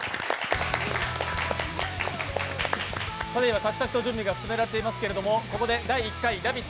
着々と準備が進められていますけれども、ここで第１回ラヴィット！